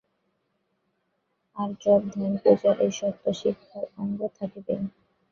আর জপ, ধ্যান, পূজা এ-সব তো শিক্ষার অঙ্গ থাকবেই।